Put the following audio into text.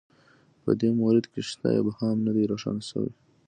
په دې مورد کې شته ابهام نه دی روښانه شوی